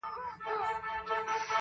شاعر: هارون حکیمي